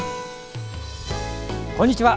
こんにちは。